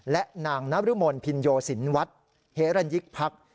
และนางนรมนศ์พิญโยศินวัตน์เฮรนยิคพักษ์